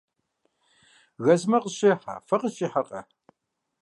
Газымэ къысщӏехьэ, фэ къыфщӏихьэркъэ?